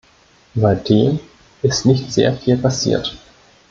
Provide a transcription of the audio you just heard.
Seitdem ist nicht sehr viel passiert.